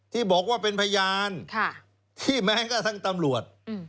ที่บอกว่าเป็นพยานที่แม้กระทั่งตำรวจ